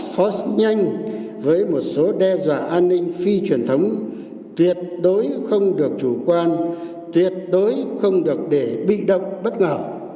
phó nhanh với một số đe dọa an ninh phi truyền thống tuyệt đối không được chủ quan tuyệt đối không được để bị động bất ngờ